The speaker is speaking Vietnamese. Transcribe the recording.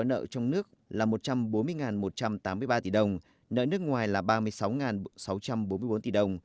nợ trong nước là một trăm bốn mươi một trăm tám mươi ba tỷ đồng nợ nước ngoài là ba mươi sáu sáu trăm bốn mươi bốn tỷ đồng